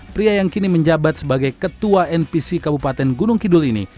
pria yang kini menjabat sebagai ketua npc kabupaten gunung kidul ini